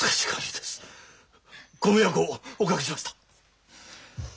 ご迷惑をおかけしました！